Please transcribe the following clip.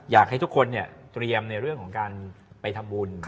อยากให้ทุกคนเตรียมในเรื่องของการไปทำบุญ